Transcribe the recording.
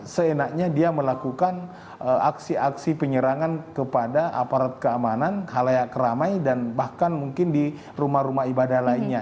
seenaknya dia melakukan aksi aksi penyerangan kepada aparat keamanan halayak ramai dan bahkan mungkin di rumah rumah ibadah lainnya